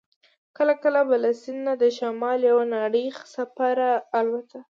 کله کله به له سیند نه د شمال یوه نرۍ څپه را الوته.